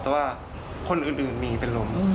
แต่ว่าคนอื่นมีเป็นลม